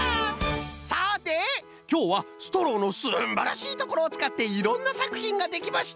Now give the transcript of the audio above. さてきょうはストローのすんばらしいところをつかっていろんなさくひんができました！